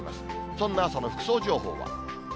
そんな朝の服装情報は。